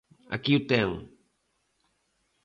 Aquí o ten.